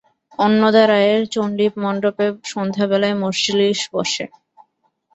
অন্নদা রায়ের চণ্ডীমণ্ডপে সন্ধ্যাবেলায় মজলিশ বসে।